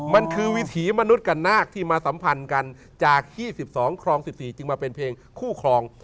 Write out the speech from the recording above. มันคือวิถีมนุษย์กันนาคที่มาสัมพันธ์กันจากฮีดสิบสองฮองฮองสิบสี่จึงมาเป็นเพลงคู่ฮอง